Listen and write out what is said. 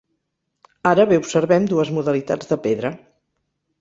Ara bé observem dues modalitats de pedra.